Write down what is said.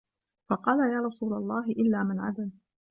فَقَالَ يَا رَسُولَ اللَّهِ إلَّا مَنْ عَدَلَ